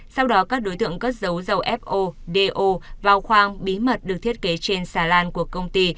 sau đó các đối tượng cất dấu dầu fo do vào khoang bí mật được thiết kế trên xà lan của công ty